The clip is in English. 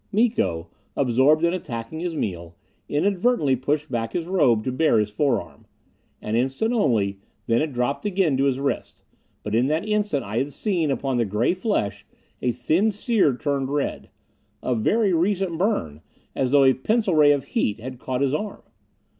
Miko, absorbed in attacking his meal, inadvertently pushed back his robe to bare his forearm. An instant only, then it dropped again to his wrist. But in that instant I had seen, upon the gray flesh, a thin sear turned red. A very recent burn as though a pencil ray of heat had caught his arm.